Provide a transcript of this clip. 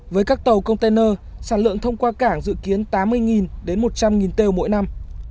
với các tàu container sản lượng thông qua cảng dự kiến tám mươi đến một trăm linh têu mỗi năm